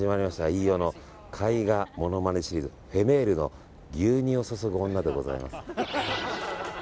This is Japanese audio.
飯尾の絵画ものまねシリーズフェルメールの「牛乳を注ぐ女」でございます。